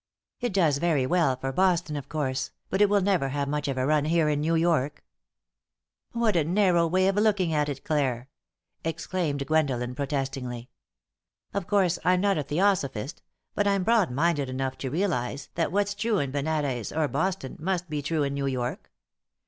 "It does very well for Boston, of course, but it will never have much of a run here in New York." "What a narrow way of looking at it, Clare!" exclaimed Gwendolen, protestingly. "Of course, I'm not a theosophist, but I'm broad minded enough to realize that what's true in Benares or Boston must be true in New York.